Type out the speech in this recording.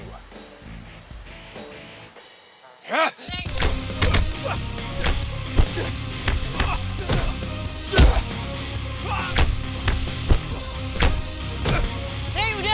buat pidat semua